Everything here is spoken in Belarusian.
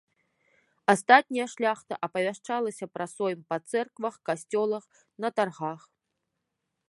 Астатняя шляхта апавяшчалася пра сойм па цэрквах, касцёлах, на таргах.